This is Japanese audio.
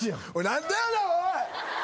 何でやねんおい。